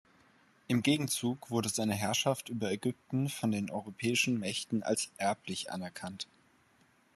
Im Gegenzug wurde seine Herrschaft über Ägypten von den europäischen Mächten als erblich anerkannt.